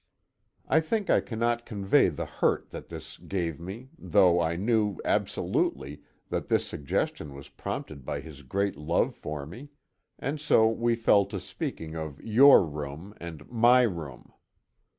I think I cannot convey the hurt that this gave me, though I knew, absolutely, that this suggestion was prompted by his great love for me, and so we fell to speaking of "your room" and "my room."